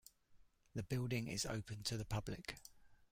The building is open to the public.